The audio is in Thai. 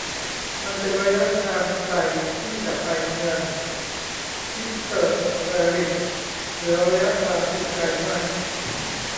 มันเป็นระยะทางไกลที่จะไปเมืองทิเพอะแรริเหลือระยะทางอีกไกลมาก